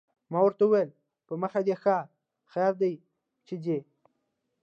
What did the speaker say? ما ورته وویل: په مخه دې ښه، خیر دی چې ځې.